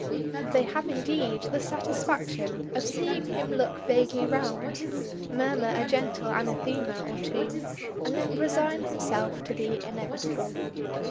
They have indeed the satisfaction of seeing him look vaguely round, murmur a gentle anathema or two, and then resign himself to the inevitable.